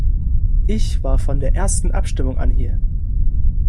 Ich war von der ersten Abstimmung an hier.